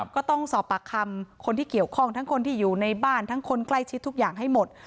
ก็ต้องสอบปากคำคนที่เกี่ยวข้องทั้งคนที่อยู่ในบ้านทั้งคนใกล้ชิดทุกอย่างให้หมด